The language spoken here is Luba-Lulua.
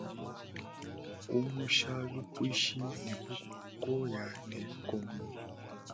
Kumusha lupuishi ne bukoya ne lukombo.